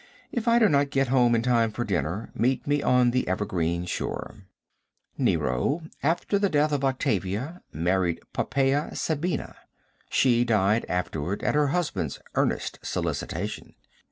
"If I do not get home in time for dinner, meet me on the 'evergreen shore.'" Nero, after the death of Octavia, married Poppaea Sabina. She died afterward at her husband's earnest solicitation.